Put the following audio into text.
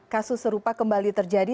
kasus serupa kembali terjadi